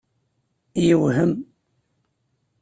Yewhem.